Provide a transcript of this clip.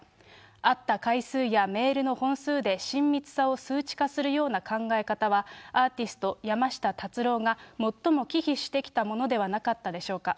会った回数やメールの本数で親密さを数値化するような考え方は、アーティスト、山下達郎が最も忌避してきたものではなかったでしょうか。